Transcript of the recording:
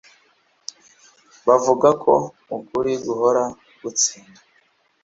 Bavuga ko ukuri guhora gutsinda